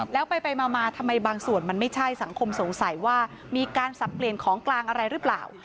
แล้วไปมาทำไมบางส่วนมันไม่ใช่สังคมสงสัยว่ามีการสับเปลี่ยนของกลางอะไรหรือเปล่า